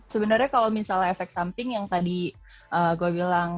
sebenarnya kalau misalnya efek samping yang tadi gue bilang